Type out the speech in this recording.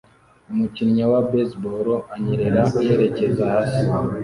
Umukinnyi wa baseball anyerera yerekeza hasi